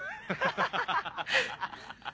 ハハハハ。